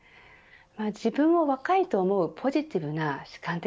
自分を若いと思うポジティブな主観的